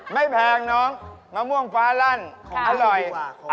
ไม่แพงน้องมะโม่งฟ้าลั่นอร่อย